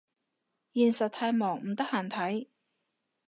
現實太忙唔得閒睇